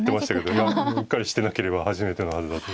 いやうっかりしてなければ初めてのはずだと。